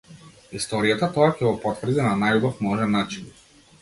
Историјата тоа ќе го потврди на најубав можен начин.